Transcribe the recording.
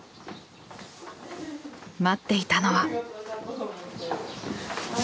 待っていたのは。